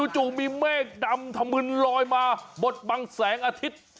จู่มีเมฆดำถมึนลอยมาบดบังแสงอาทิตย์